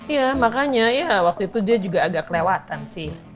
ya makanya ya waktu itu dia juga agak kelewatan sih